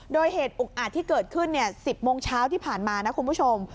โดยเหตุอุกอาจที่เกิดขึ้น๑๐โมงเช้าที่ผ่านมานะคุณผู้ชม